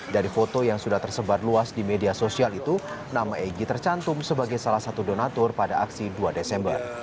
dari foto yang sudah tersebar luas di media sosial itu nama egy tercantum sebagai salah satu donatur pada aksi dua desember